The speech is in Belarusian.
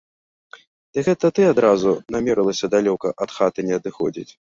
Дык гэта ты адразу намерылася далёка ад хаты не адыходзіць?